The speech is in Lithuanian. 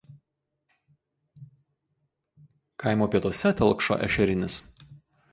Kaimo pietuose telkšo Ešerinis.